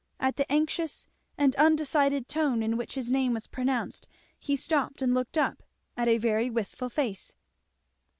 At the anxious and undecided tone in which his name was pronounced he stopped and looked up, at a very wistful face.